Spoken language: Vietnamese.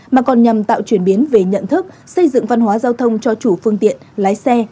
mà còn nhằm tạo chuyển biến về nhận thức xây dựng văn hóa giao thông cho chủ phương tiện lái xe